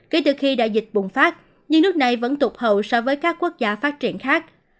kể từ khi đại dịch bùng phát nhưng nước này vẫn tụt hậu so với các quốc gia phát triển khác